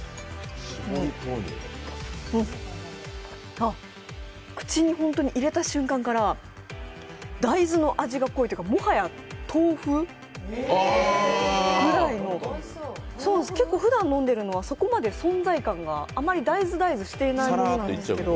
あっ、口に入れた瞬間から大豆の味が濃いというかもはや豆腐ぐらいの、結構ふだん飲んでいるのはそこまで存在感が、あまり大豆、大豆していないものなんですけれど。